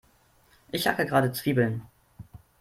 Ich hacke gerade Zwiebeln.